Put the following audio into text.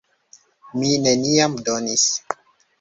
Mi neniam donis.